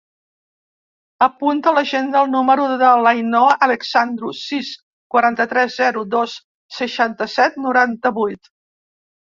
Apunta a l'agenda el número de l'Ainhoa Alexandru: sis, quaranta-tres, zero, dos, seixanta-set, noranta-vuit.